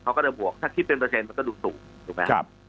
เขาก็จะบวกถ้าคิดเป็นเปอร์เซ็นมันก็ดูสูงถูกไหมครับ